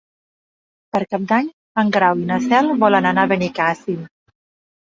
Per Cap d'Any en Grau i na Cel volen anar a Benicàssim.